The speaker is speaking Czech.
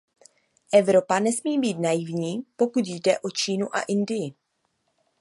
Evropa nesmí být naivní, pokud jde o Čínu a Indii.